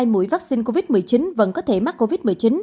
hai mũi vaccine covid một mươi chín vẫn có thể mắc covid một mươi chín